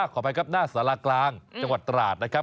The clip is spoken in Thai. ขออภัยครับหน้าสารากลางจังหวัดตราดนะครับ